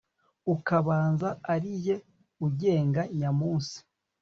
ukabanza ari jye ugenga nyamunsi